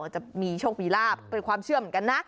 จะมีโชคมีลาบเป็นความเชื่อเหมือนกันนะ